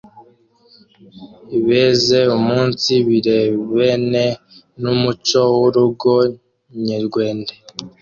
ibeze umunsi birebene n’umuco w’urugo nyerwende